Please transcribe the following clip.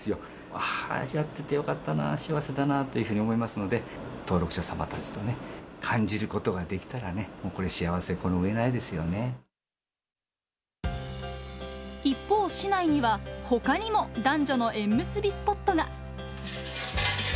ああ、やっててよかったな、幸せだなというふうに思いますので、登録者様たちとね、感じることができたらね、これ、幸せこのうえ一方、市内にはほかにも男女の縁結びスポットが。